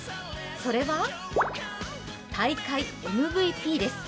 それは大会ＭＶＰです。